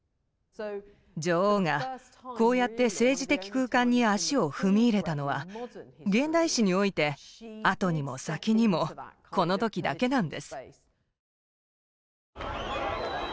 女王がこうやって政治的空間に足を踏み入れたのは現代史において後にも先にもこの時だけなんです。